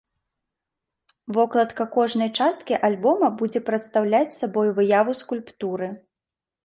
Вокладка кожнай часткі альбома будзе прадстаўляць сабой выяву скульптуры.